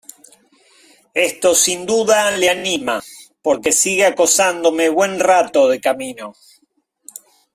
esto , sin duda , le anima , porque sigue acosándome buen rato de camino .